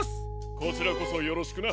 こちらこそよろしくな。